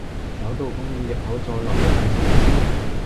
走到公園入口再來一份壽司